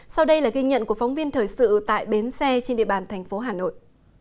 sau đây là ghi nhận của phóng viên thời sự tại bến xe trên địa bàn thành phố hà nội